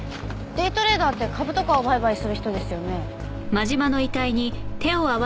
デイトレーダーって株とかを売買する人ですよね。